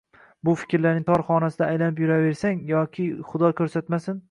shu fikrlarning tor xonasida aylanib yuraversang yoki xudo ko‘rsatmasin